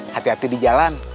hati hati di jalan